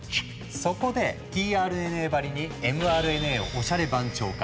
そこでｔＲＮＡばりにｍＲＮＡをおしゃれ番長化。